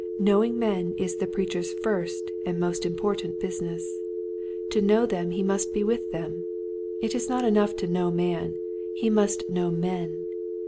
Knowing men is the preacher's first and Near to Men Near to God. 193 most important business. To know them he must be with them. It is not enough to know man, he must know men.